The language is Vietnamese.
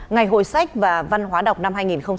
ngày hội sách và văn hóa đọc năm hai nghìn hai mươi